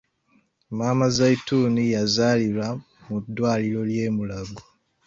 Maama "Zaituni,' yazalira mu ddwaliro ly'e mulago.